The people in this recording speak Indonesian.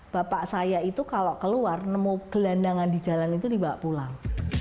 bapak saya itu kalau keluar nemu gelandangan di jalan itu dibawa pulang